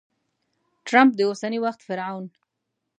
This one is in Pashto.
ټرمپ د اوسني وخت فرعون!